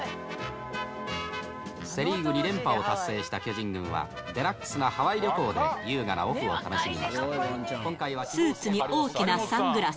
セ・リーグ２連覇を達成した巨人軍は、デラックスなハワイ旅行で、スーツに大きなサングラス。